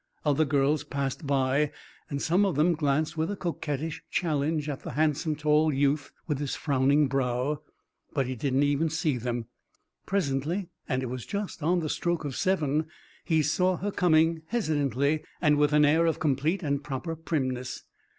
Other girls passed by, and some of them glanced with a coquettish challenge at the handsome tall youth with his frowning brow. But he did not see them. Presently and it was just on the stroke of seven he saw her coming, hesitantly, and with an air of complete and proper primness.